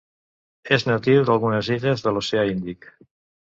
És natiu d'algunes illes de l'oceà Índic.